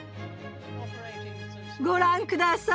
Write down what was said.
ご覧ください！